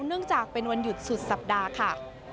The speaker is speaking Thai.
เนื่องจากเป็นวันหยุดสุดสัปดาห์ค่ะ